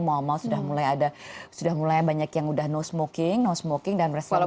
mau mau sudah mulai ada sudah mulai banyak yang sudah no smoking no smoking dan berhasil berjalan